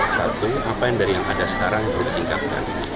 satu apa yang dari yang ada sekarang perlu ditingkatkan